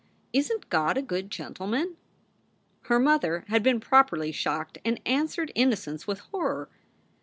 Isn t God a good gentleman ? Her mother had been properly shocked and answered innocence with horror.